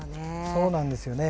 そうなんですよね。